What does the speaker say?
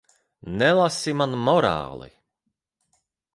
Nelasi man morāli.